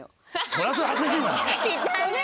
それはそれで恥ずかしいな。